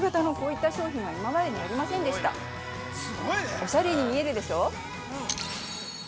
おしゃれに見えるでしょう？